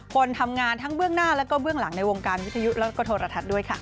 คนทำงานทั้งเบื้องหน้าแล้วก็เบื้องหลังในวงการวิทยุแล้วก็โทรทัศน์ด้วยค่ะ